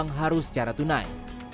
pengembalian uang harus secara tunai